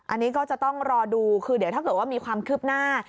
อันนี้ก็จะต้องรอดูคือเดี๋ยวถ้าเกิดว่ามีความคืบหน้า